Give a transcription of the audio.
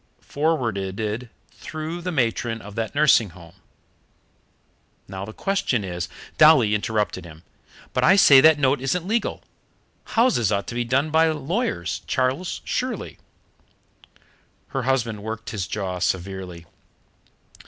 Forwarded through the matron of that nursing home. Now, the question is " Dolly interrupted him. "But I say that note isn't legal. Houses ought to be done by a lawyer, Charles, surely." Her husband worked his jaw severely.